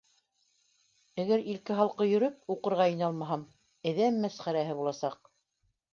Әгәр илке-һалҡы йөрөп, уҡырға инә алмаһам, әҙәм мәсхәрәһе буласаҡ.